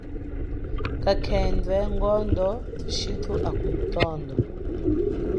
Kakhendwe, ngondo thushitu akumitondo.